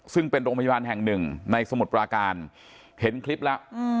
ซึ่งเป็นโรงพยาบาลแห่งหนึ่งในสมุทรปราการเห็นคลิปแล้ว